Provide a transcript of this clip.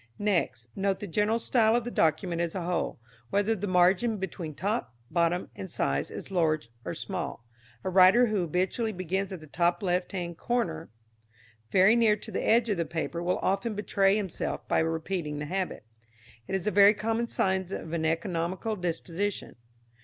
Next, note the general style of the document as a whole, whether the margin between top, bottom, and sides is large or small. A writer who habitually begins at the top left hand corner very near to the edge of the paper will often betray himself by repeating the habit. It is a very common sign of an economical disposition.